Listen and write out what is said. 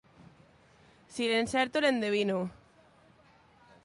Si l'encerto, l'endevino.